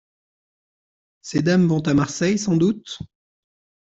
Ces dames vont à Marseille, sans doute ?…